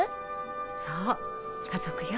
そう家族よ。